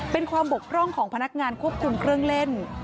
เป็นความบกพร่องของพนักงานควบคุมเครื่องเล่น